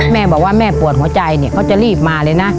แม่บอกว่าแม่ปวดหัวใจเนี่ยเขาจะรีบมาเลยนะ